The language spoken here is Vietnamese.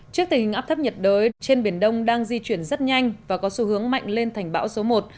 trước tình hình áp thấp nhiệt đới trên biển đông đang di chuyển rất nhanh và có xu hướng mạnh lên thành bão số một